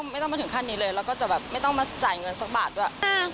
ไม่ต้องมาถึงขั้นนี้เลยแล้วก็จะแบบไม่ต้องมาจ่ายเงินสักบาทด้วย